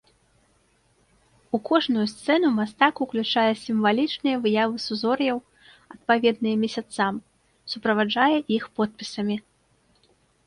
У кожную сцэну мастак уключае сімвалічныя выявы сузор'яў, адпаведныя месяцам, суправаджае іх подпісамі.